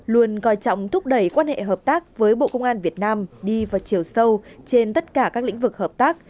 luôn coi trọng thúc đẩy quan hệ hợp tác với bộ công an việt nam đi vào chiều sâu trên tất cả các lĩnh vực hợp tác